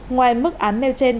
ngoài mức án nêu trên